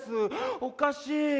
おかしい。